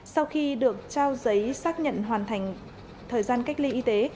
sau khi được trao giấy xác nhận hoàn thành thời gian cách ly y tế